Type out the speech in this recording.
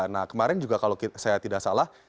nah kemarin juga kalau saya tidak salah